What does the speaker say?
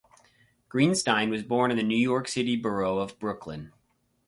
Greenstein was born in the New York City borough of Brooklyn.